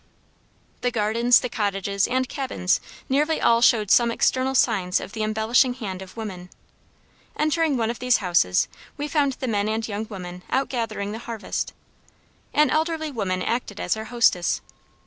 The gardens, the cottages, and cabins nearly all showed some external signs of the embellishing hand of woman. Entering one of these houses, we found the men and young women out gathering the harvest. An elderly woman acted as our hostess.